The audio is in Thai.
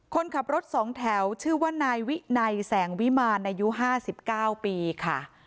คนขับรถสองแถวชื่อว่านายนายแสงวิมานายุห้าสิบเก้าปีค่ะ